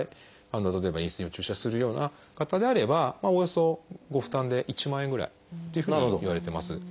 例えばインスリンを注射するような方であればおおよそご負担で１万円ぐらいというふうにいわれてます。